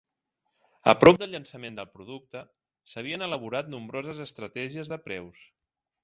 A prop del llançament del producte, s'havien elaborat nombroses estratègies de preus.